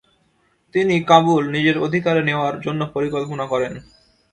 তিনি কাবুল নিজের অধিকারে নেওয়ার জন্য পরিকল্পনা করেন।